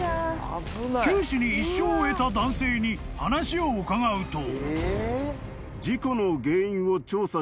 ［九死に一生を得た男性に話を伺うと］